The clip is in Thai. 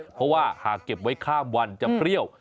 เพราะว่าหากเก็บไว้ข้ามวันจะเปรี้ยว